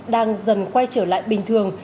đang dần quay trở lại bình thường